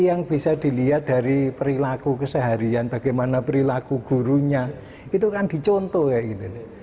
yang bisa dilihat dari perilaku keseharian bagaimana perilaku gurunya itu kan dicontoh kayak gitu